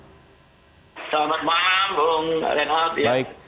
selamat malam bung renhat